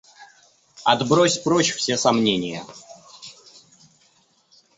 Отбрось прочь все сомнения.